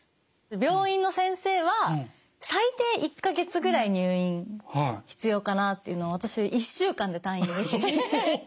病院の先生は最低１か月ぐらい入院必要かなっていうのを私１週間で退院できて。